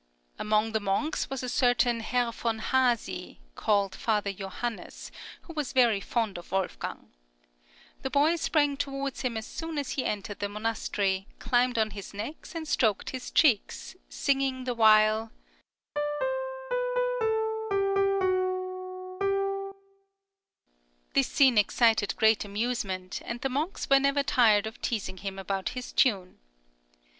Among the monks was a certain Herr v. Haasy, called Father Johannes, who was very fond of Wolfgang. The boy sprang towards him as soon as he entered the monastery, climbed on his neck and stroked his cheeks, singing the while: [See Page Image] This scene excited great amusement, and the monks were never tired of teasing him about his tune.